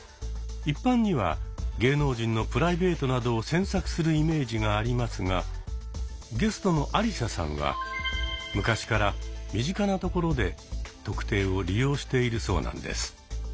一般には芸能人のプライベートなどを詮索するイメージがありますがゲストのアリサさんは昔から身近なところで「特定」を利用しているそうなんです。